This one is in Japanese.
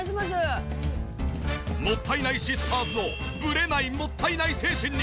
もったいないシスターズのぶれないもったいない精神に。